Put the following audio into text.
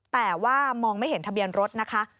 แต่ว่ามองไม่เห็นทะเบียนรถนะคะ